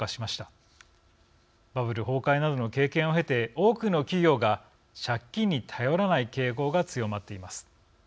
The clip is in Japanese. バブル崩壊などの経験を経て多くの企業が借金に頼らない傾向が強まっています。